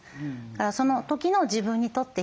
だからその時の自分にとって必要なものが